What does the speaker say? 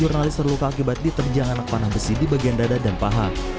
jurnalis terluka akibat diterjang anak panah besi di bagian dada dan paha